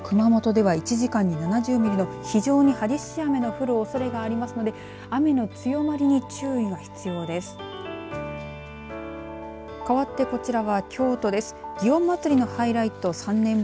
このあと熊本では１時間に７０ミリの非常に激しい雨の降るおそれがありますので雨の強まりに注意が必要です。